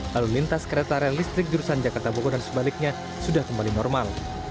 lalu lintas kereta rel listrik jurusan jakarta bogor dan sebaliknya sudah kembali normal